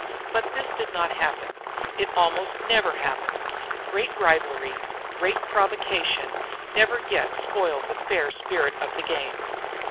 But this did not happen. It almost never happens. Great rivalry, great provocation, never yet spoiled the fair spirit of the game.